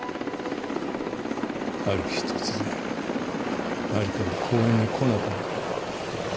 ある日突然麻里香は公園に来なくなった。